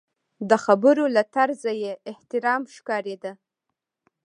د خبرو له طرزه یې احترام ښکارېده.